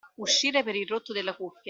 Uscire per il rotto della cuffia.